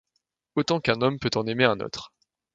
Autant qu’un homme peut en aimer un autre.